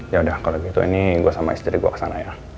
yaudah kalau gitu ini gue sama istri gue kesana ya